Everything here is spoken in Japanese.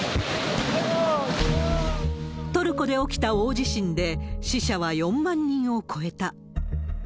トルコで起きた大地震で、死者は４万人を超えた。